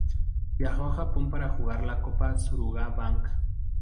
Viajó a Japón para jugar la Copa Suruga Bank.